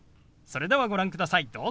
それではご覧ください。